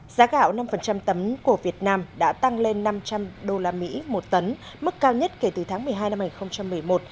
giá gạo năm tấm của việt nam đã tăng lên năm trăm linh usd một tấn mức cao nhất kể từ tháng một mươi hai năm hai nghìn một mươi một